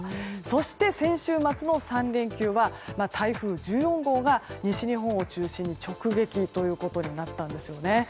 そして、先週末の３連休は台風１４号が、西日本を中心に直撃となったんですね。